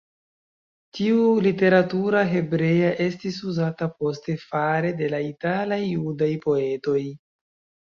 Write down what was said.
Tiu literatura hebrea estis uzata poste fare de la italaj judaj poetoj.